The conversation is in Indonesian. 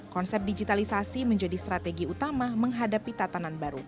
konsep digitalisasi menjadi strategi utama menghadapi tatanan baru